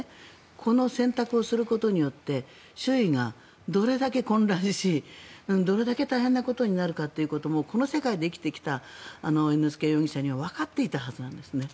この選択をすることによって周囲がどれだけ混乱しどれだけ大変なことになるかもこの世界で生きてきた猿之助容疑者にはわかっていたはずなんですね。